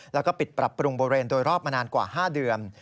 แล้วก็ปิดปรับปรุงบริเวณโดยรอบมานานกว่า๕เดือน